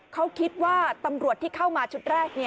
เขาคิดว่าตำรวจที่เข้ามาชุดแรก